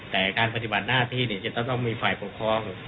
แต่การปฏิบัติหน้าที่จะต้องมีฝ่ายปกครอง